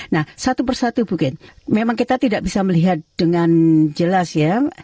nah satu persatu mungkin memang kita tidak bisa melihat dengan jelas ya